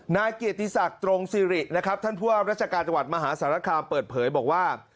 นายเกียรติศักดิ์ตรงซิรินะครับท่านผู้ว่าราชการจังหวัดมหาสารคามเปิดเผยบอกว่า